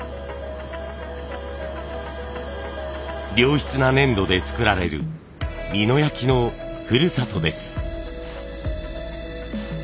良質な粘土で作られる美濃焼のふるさとです。